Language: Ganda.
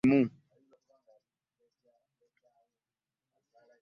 Twogera ku bintu ebitali bimu.